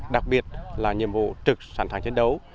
đặc biệt là nhiệm vụ trực sẵn sàng chiến đấu